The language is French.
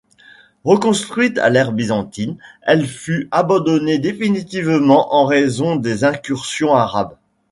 Reconstruite à l'ère byzantine, elle fut abandonnée définitivement en raison des incursions arabes.